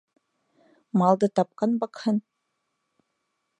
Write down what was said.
Малды тапҡан баҡһын